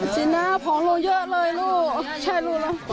ชินะผองโลเยอะเลยลูกใช่ลูกแล้ว